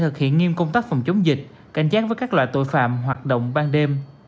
thực hiện nghiêm công tác phòng chống dịch cảnh giác với các loại tội phạm hoạt động ban đêm